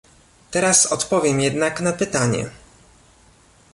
Teraz odpowiem jednak na pytanie